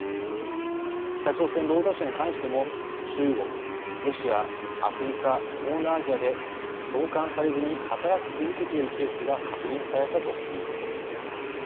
北朝鮮労働者に関しても中国、ロシアアフリカ、東南アジアで送還されずに働き続けているケースが確認されたということです。